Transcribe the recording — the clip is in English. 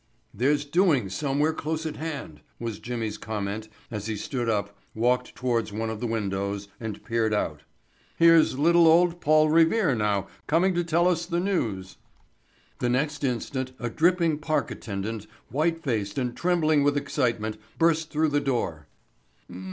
"There's doings somewhere close at hand," was Jimmy's comment as he stood up, walked towards one of the windows, and peered out. "Here's little old Paul Revere now, coming to tell us the news." The next instant a dripping park attendant, white faced and trembling with excitement, burst through the door.